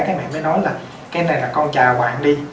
cái mẹ mới nói là cái này là con chào bạn đi